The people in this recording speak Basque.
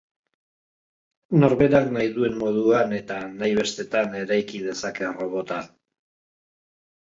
Norberak nahi duen moduan eta nahi bestetan eraiki dezake robota.